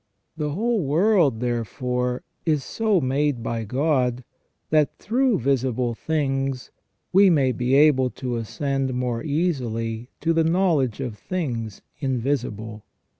The whole world, therefore, is so made by God, that through visible things we may be able to ascend more easily to the knowledge of things invisible.